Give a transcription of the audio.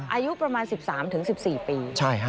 อายุประมาณ๑๓๑๔ปี